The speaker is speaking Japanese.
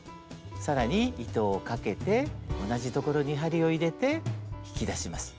更に糸をかけて同じ所に針を入れて引き出します。